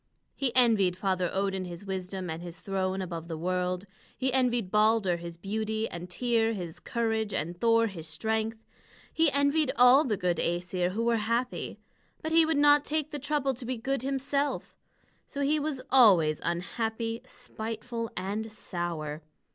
He envied Father Odin his wisdom and his throne above the world. He envied Balder his beauty, and Tŷr his courage, and Thor his strength. He envied all the good Æsir who were happy; but he would not take the trouble to be good himself. So he was always unhappy, spiteful, and sour.